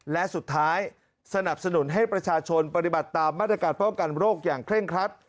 และสุดท้ายสนับสนุนให้ประชาชนปฏิบัติตามมาตรการป้องกันโรคอย่างเคร่งครัด